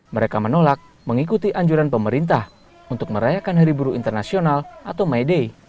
mereka menolak mengikuti anjuran pemerintah untuk merayakan hari buruh internasional atau may day